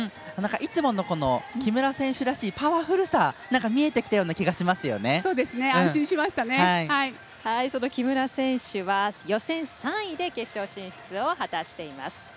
いつもの木村選手らしいパワフルさ、見えてきたようなその木村選手は予選３位で決勝進出を果たしています。